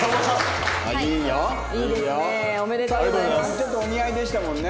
ちょっとお似合いでしたもんね。